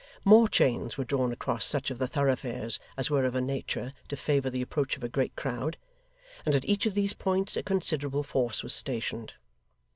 More chains were drawn across such of the thoroughfares as were of a nature to favour the approach of a great crowd, and at each of these points a considerable force was stationed.